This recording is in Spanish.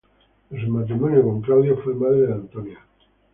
De su matrimonio con Claudio, fue madre de Antonia.